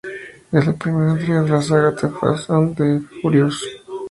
Es la primera entrega de la saga "The Fast and the Furious".